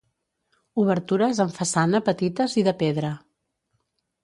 Obertures en façana petites i de pedra.